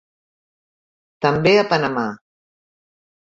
També a Panamà.